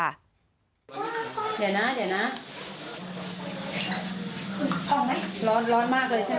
เดี๋ยวนะร้อนมากเลยใช่ไหม